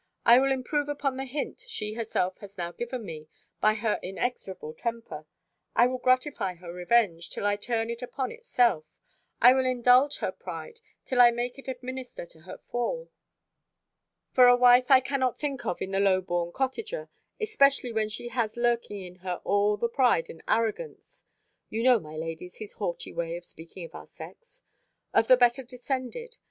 I will improve upon the hint she herself has now given me, by her inexorable temper: I will gratify her revenge, till I turn it upon herself: I will indulge her pride, till I make it administer to her fall; for a wife I cannot think of in the low born cottager, especially when she has lurking in her all the pride and arrogance" (you know, my ladies, his haughty way of speaking of our sex) "of the better descended.